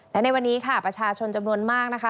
และในวันนี้ค่ะประชาชนจำนวนมากนะคะ